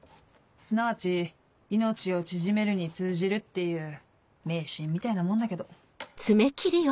すなわち命を縮めるに通じるっていう迷信みたいなもんだけど。